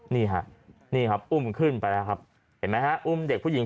นี่ฮะนี่ครับอุ้มขึ้นไปแล้วครับเห็นไหมฮะอุ้มเด็กผู้หญิง